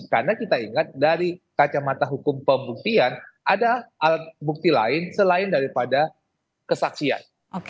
karena kita ingat dari kacamata hukum pembuktian ada bukti lain selain daripada kesaksian